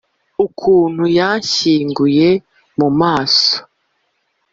ukuntu yashyinguye mu maso